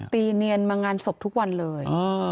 ตีเนียนมางานศพทุกวันเลย